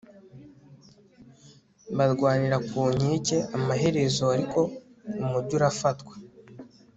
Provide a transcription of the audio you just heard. barwanira ku nkike, amaherezo ariko umugi urafatwa